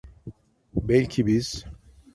Belki biz…